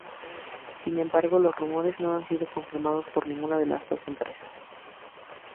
Sin embargo, los rumores no han sido confirmados por ninguna de las dos empresas.